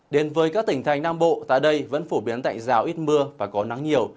đến với các tỉnh thành nam bộ tại đây vẫn phổ biến tạnh rào ít mưa và có nắng nhiều